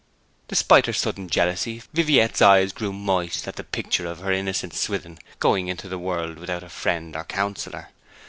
Despite her sudden jealousy Viviette's eyes grew moist at the picture of her innocent Swithin going into the world without a friend or counsellor.